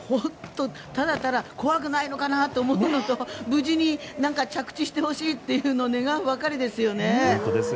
ただただ怖くないのかな？と思うのと無事に着地してほしいというのを願うばかりですね。